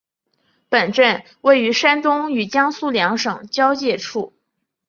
本镇位于山东与江苏两省交界处。